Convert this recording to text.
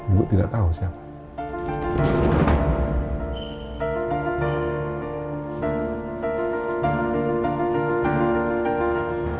ibu tidak tahu siapa